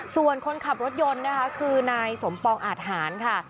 ส่วนคนขับรถยนต์นะคะคือนายสมปองอาทหารค่ะ